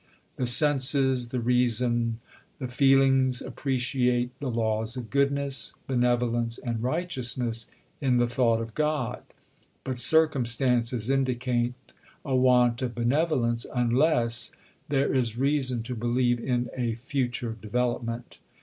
The senses, the reason, the feelings appreciate the laws of goodness, benevolence, and righteousness in the Thought of God; but Circumstances indicate a want of benevolence unless there is reason to believe in a future development.